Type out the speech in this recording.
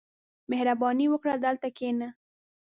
• مهرباني وکړه، دلته کښېنه.